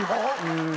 うん。